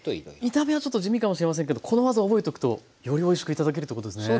見た目はちょっと地味かもしれませんけどこの技覚えとくとよりおいしく頂けるってことですね。